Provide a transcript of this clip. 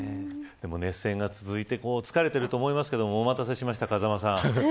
熱戦が続いて疲れていると思いますがお待たせしました、風間さん